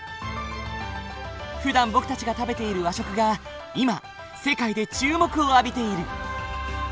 ふだん僕たちが食べている和食が今世界で注目を浴びている。